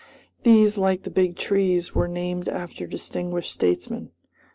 These, like the big trees, were named after distinguished statesmen.